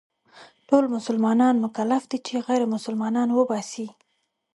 ټول مسلمانان مکلف دي چې غير مسلمانان وباسي.